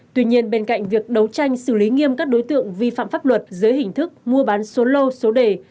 tuy nhiên bên cạnh việc đấu tranh xử lý nghiêm các đối tượng vi phạm pháp luật dưới hình thức mua bán số lô số đề